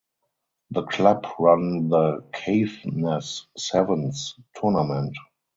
The club run the Caithness Sevens tournament.